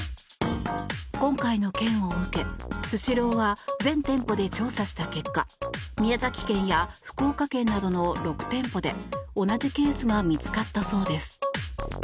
今回の件を受け、スシローは全店舗で調査した結果宮崎県や福岡県などの６店舗で同じケースが見つかったそうです。